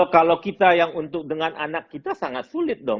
kalau kita yang untuk dengan anak kita sangat sulit dong